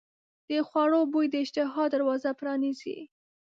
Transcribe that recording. د خوړو بوی د اشتها دروازه پرانیزي.